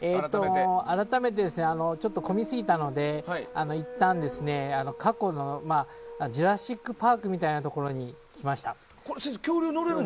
改めて、混みすぎたのでいったん過去の「ジュラシック・パーク」みたいなところに来ました。